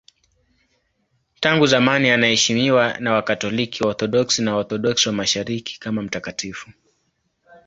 Tangu zamani anaheshimiwa na Wakatoliki, Waorthodoksi na Waorthodoksi wa Mashariki kama mtakatifu.